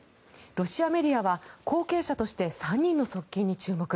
ロシアメディアは後継者として３人の側近に注目。